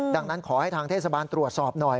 ดังนั้นขอให้ทางเทศบาลตรวจสอบหน่อย